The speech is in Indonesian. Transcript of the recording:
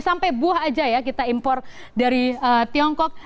sampai buah aja ya kita impor dari tiongkok